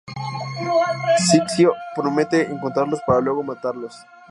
Ciccio promete encontrarlos para luego matarlos.